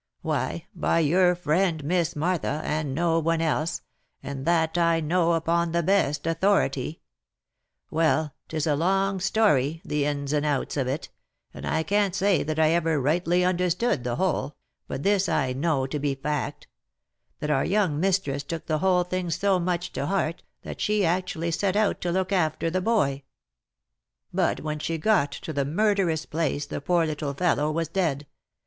Why by your friend, Miss Martha, and no one else, and that I know upon the best authority. Well, 'tis a long story, the ins and outs of it, and I can't say that I ever rightly understood the whole, but this I know to be fact : that our young mistress took the whole thing so much to heart, that she actually set out to look after the boy ; but when she got to the murderous place the poor little fellow was dead